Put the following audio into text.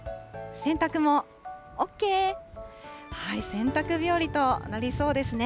洗濯日和となりそうですね。